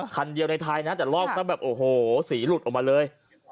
คันเดียวในไทยนะแต่ลอกซะแบบโอ้โหสีหลุดออกมาเลย